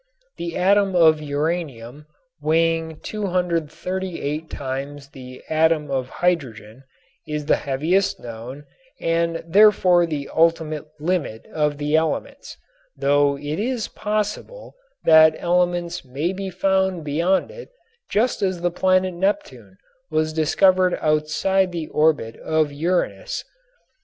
The atom of uranium, weighing 238 times the atom of hydrogen, is the heaviest known and therefore the ultimate limit of the elements, though it is possible that elements may be found beyond it just as the planet Neptune was discovered outside the orbit of Uranus.